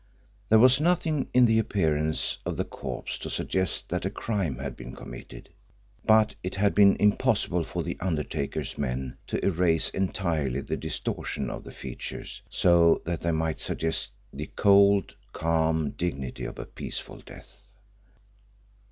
There was nothing in the appearance of the corpse to suggest that a crime had been committed, but it had been impossible for the undertaker's men to erase entirely the distortion of the features so that they might suggest the cold, calm dignity of a peaceful death.